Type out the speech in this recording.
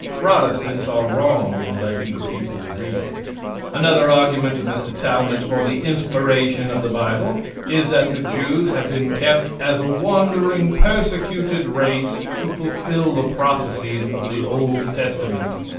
Protestants are wrong in letting the people read it. Another argument of Mr. Talmage for the inspiration of the bible is that the Jews have been kept as a wandering, persecuted race to fulfill the prophecies of the old testament.